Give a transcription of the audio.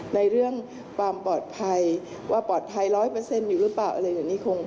ในเรื่องความปลอดภัยว่าปลอดภัย๑๐๐อยู่หรือเปล่าอะไรอย่างนี้คง